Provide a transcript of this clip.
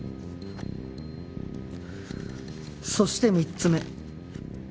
そして３つ目。